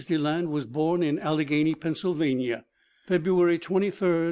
Deland was born in Alleghany, Pennsylvania, February 23, 1857.